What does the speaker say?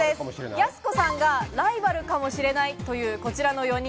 やす子さんがライバルかもしれないというこちらの４人。